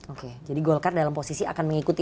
oke jadi golkar dalam posisi akan mengikuti